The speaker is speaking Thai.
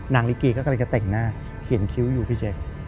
ลิกีก็กำลังจะแต่งหน้าเขียนคิ้วอยู่พี่แจ๊ค